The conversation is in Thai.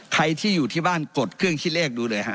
ใครที่อยู่ที่บ้านกดเครื่องคิดเลขดูเลยฮะ